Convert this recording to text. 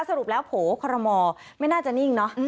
สรุปแล้วโผล่คอรมอลไม่น่าจะนิ่งเนอะ